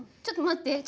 ちょっとまって？